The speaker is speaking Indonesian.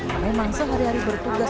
yang memang sehari hari bertugas